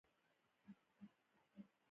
د سرو زرو کان په چاه اب کې دی